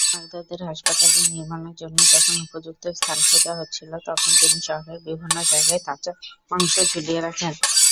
বাগদাদের হাসপাতাল নির্মানের জন্য যখন উপযুক্ত স্থান খোঁজা হচ্ছিল তখন তিনি শহরের বিভিন্ন জায়গায় তাজা মাংস ঝুলিয়ে রাখেন।